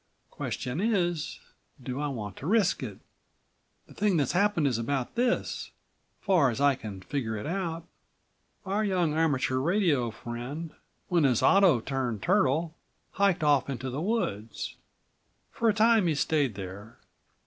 Question is, do I want to risk it? The thing that's happened is about this, far as I can figure it out: Our young amateur radio friend, when his auto turned turtle, hiked off into the woods. For a time he stayed there.